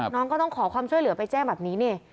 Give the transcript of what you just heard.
น้องก็ต้องขอความช่วยเหลือไปแจ้งแบบนี้นี่